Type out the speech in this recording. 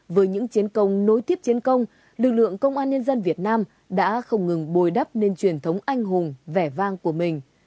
với những chiến công nối tiếp chiến công lực lượng công an nhân dân việt nam đã không ngừng bồi đắp nên truyền thống anh hùng vẻ vang của mình